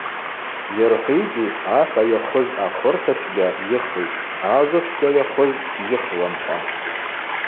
Йырхӏвитӏи: Ахӏва йахвыз ахвырта чвгьа йыхитӏ, ажва чвгьа йахвыз гьйыхуам – хӏва.